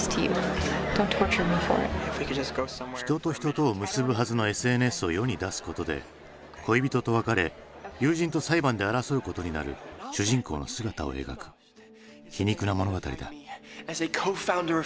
人と人とを結ぶはずのＳＮＳを世に出すことで恋人と別れ友人と裁判で争うことになる主人公の姿を描く皮肉な物語だ。